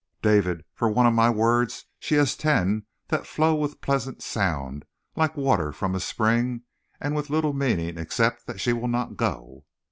"David, for one of my words she has ten that flow with pleasant sound like water from a spring, and with little meaning, except that she will not go."